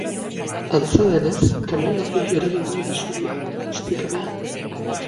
Antza denez, kamioi batek eragin du isuria, ustekabean.